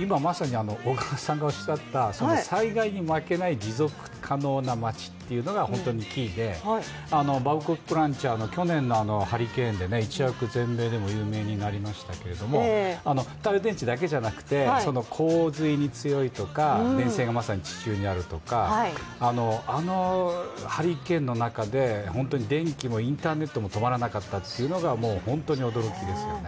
今まさに、小川さんがおっしゃった災害に負けない持続可能な町というのが本当にキーで、バブコックランチは去年のハリケーンで一躍、全米でも有名になりましたけれども、蓄電池だけじゃなくて洪水に強いとか、電線がまさに地中にあるとか、あのハリケーンの中で電気もインターネットも止まらなかったというのが本当に驚きですよね。